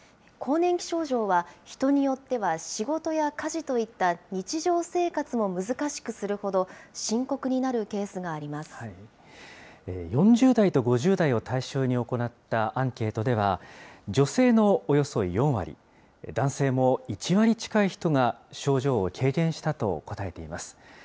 更年期症状は、人によっては、仕事や家事といった日常生活も難しくするほど、深刻になるケース４０代と５０代を対象に行ったアンケートでは、女性のおよそ４割、男性も１割近い人が症状を経験したと答えています。